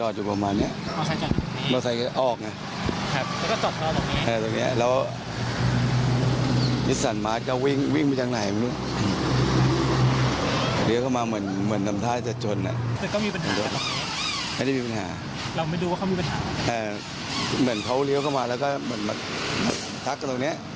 ดังนู้นเดียวเข้ามาเหมือนทำท่าจัดชนอ่ะไม่ได้มีปัญหาเหมือนเขาเดียวเข้ามาแล้วก็อยู่ตรงเนี้ย